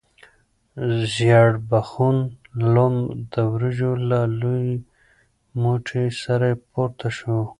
ژیړبخون لم د وریجو له لوی موټي سره پورته شو.